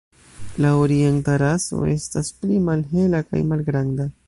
La orienta raso estas pli malhela kaj malgranda.